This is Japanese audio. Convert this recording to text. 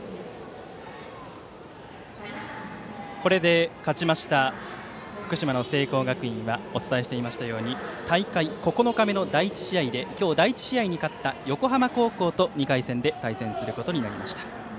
これで勝ちました福島の聖光学院はお伝えしていましたように大会９日目の第１試合で今日、第１試合に勝った横浜高校と２回戦で対戦することになりました。